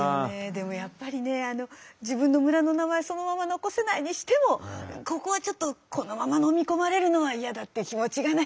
でもやっぱりね自分の村の名前そのまま残せないにしてもここはちょっとこのまま飲み込まれるのは嫌だっていう気持ちがね